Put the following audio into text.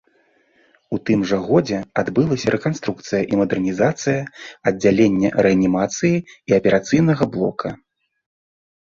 У тым жа годзе адбылася рэканструкцыя і мадэрнізацыя аддзялення рэанімацыі і аперацыйнага блока.